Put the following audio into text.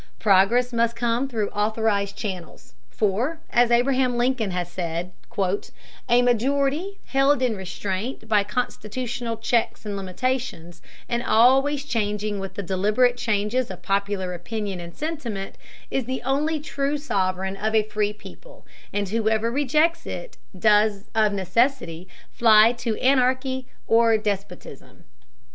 Progress must come through authorized channels, for, as Abraham Lincoln has said, "a majority, held in restraint by constitutional checks and limitations, and always changing with the deliberate changes of popular opinion and sentiment, is the only true sovereign of a free people, and whoever rejects it does of necessity fly to anarchy or despotism."